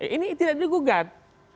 ini tidak digugat